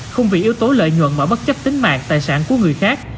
không vì yếu tố lợi nhuận mà bất chấp tính mạng tài sản của người khác